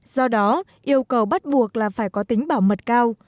do đó yêu cầu bắt buộc là phải có tính bảo mật cao